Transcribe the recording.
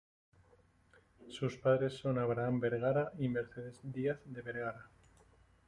Sus padres son Abraham Vergara y Mercedes Díaz de Vergara.